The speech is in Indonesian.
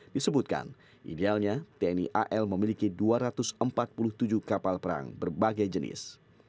disebutkan idealnya tni al memiliki dua ratus empat puluh tujuh kapal perang berbagai jenis